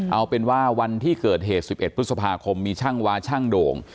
เอาเป็นว่าวันที่เกิดเหตุ๑๑พฤษภาคมมีช่างวาช่างโด่ง